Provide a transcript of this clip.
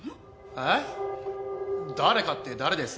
えっ誰かって誰です？